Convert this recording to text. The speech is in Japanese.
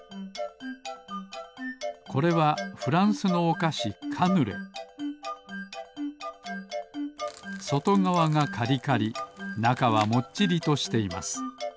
これはフランスのおかしそとがわがカリカリなかはもっちりとしています